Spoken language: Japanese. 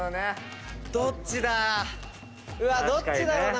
どっちだろうな？